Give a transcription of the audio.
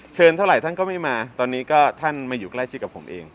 เท่าไหร่ท่านก็ไม่มาตอนนี้ก็ท่านมาอยู่ใกล้ชิดกับผมเอง